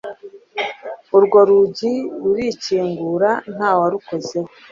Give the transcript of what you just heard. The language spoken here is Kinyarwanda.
urwo rugi rurikingura nta wurukozeho